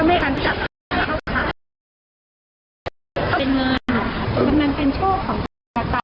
มันเป็นโชคของการตายที่ได้มาเป็นของการตาย